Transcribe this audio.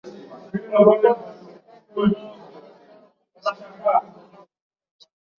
wa Ukoo wa Kingalu ambao mara kadhaa huishi mbali na makao makuu ya Chifu